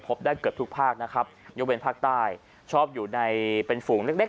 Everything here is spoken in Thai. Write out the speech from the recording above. พบได้เกือบทุกภาคนะครับยกเว้นภาคใต้ชอบอยู่ในเป็นฝูงเล็กเล็ก